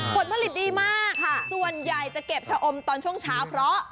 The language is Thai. ผลผลิตดีมากส่วนใหญ่จะเก็บชะอมตอนช่วงเช้าเพราะ